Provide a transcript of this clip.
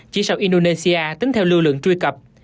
chỉ sau indonesia tính theo lưu lượng truy cập